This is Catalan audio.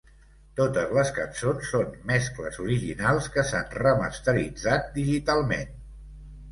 Totes les cançons són mescles originals que s'han remasteritzat digitalment.